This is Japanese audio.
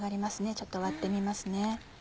ちょっと割ってみますね。